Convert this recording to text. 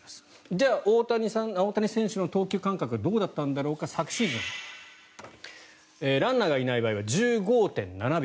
じゃあ、大谷選手の投球間隔はどうだったんだろうか昨シーズンランナーがいない場合は１５．７秒。